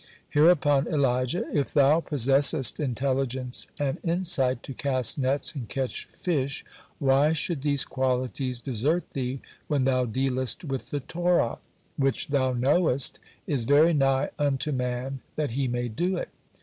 Hereupon Elijah: "If thou possessest intelligence and insight to cast nets and catch fish, why should these qualities desert thee when thou dealest with the Torah, which, thou knowest, is very nigh unto man that he may do it?"